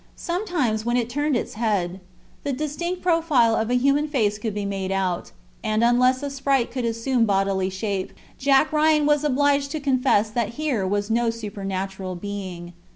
Sometimes, when it turned its head, the indistinct profile of a human face could be made out, and unless a sprite could assume bodily shape, Jack Ryan was obliged to confess that here was no supernatural being.